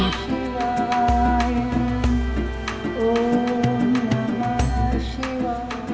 โอมนามังชิวาย